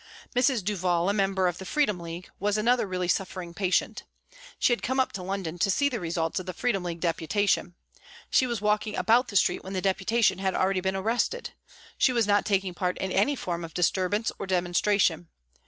Mrs. Duval, a member of the Freedom League, was another really suffering patient. She had come up to London to see the results of the Freedom League Deputation. She was walking about the street when the Deputation had already been arrested. She was not taking part in any form of disturbance or demonstration.